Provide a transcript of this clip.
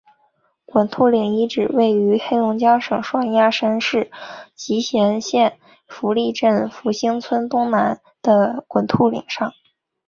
滚兔岭遗址位于黑龙江省双鸭山市集贤县福利镇福兴村东南的滚兔岭上。